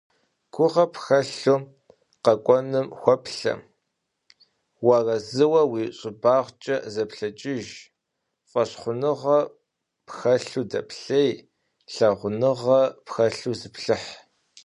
Гугъэ пхэлъу къэкӏуэнум хуэплъэ, уарэзыуэ уи щӏыбагъкӏэ зэплъэкӏыж, фӏэщхъуныгъэ пхэлъу дэплъей, лъагъуныгъэ пхэлъу зыплъыхь.